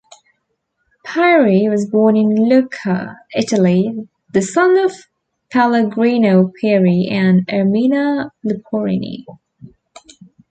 Pieri was born in Lucca, Italy, the son of Pellegrino Pieri and Ermina Luporini.